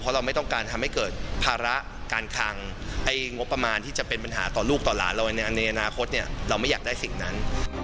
เราไม่ต้องการทำให้เกิดภาระการคังงบประมาณที่จะเป็นปัญหาต่อลูกต่อหลานเราในอนาคตเนี่ยเราไม่อยากได้สิ่งนั้น